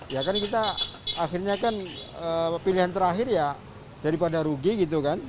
ya kan kita akhirnya kan pilihan terakhir ya daripada rugi gitu kan